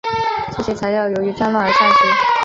这些材料由于战乱而散失。